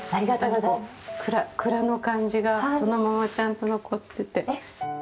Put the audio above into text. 本当に蔵の感じがそのままちゃんと残ってて。